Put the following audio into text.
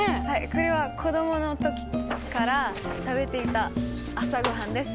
これは子供の時から食べていた朝ごはんです。